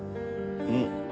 うん？